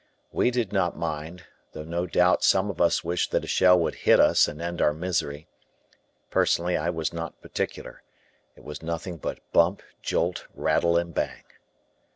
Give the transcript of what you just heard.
We did not mind, though no doubt some of us wished that a shell would hit us and end our misery. Personally, I was not particular. It was nothing but bump, jolt, rattle, and bang.